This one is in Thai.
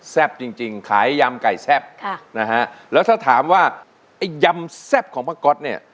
แซ่บจริงขายยำไก่แซ่บแล้วถ้าถามว่ายำแซ่บของปลาก๊อตเนี่ย